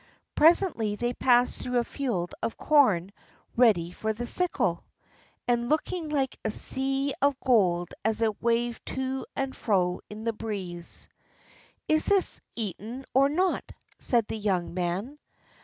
Presently they passed through a field of corn ready for the sickle, and looking like a sea of gold as it waved to and fro in the breeze. "Is this eaten or not?" said the young man.